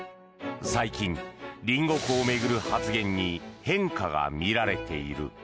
最近、隣国を巡る発言に変化が見られている。